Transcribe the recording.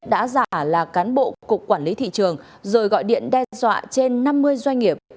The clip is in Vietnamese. đã giả là cán bộ cục quản lý thị trường rồi gọi điện đe dọa trên năm mươi doanh nghiệp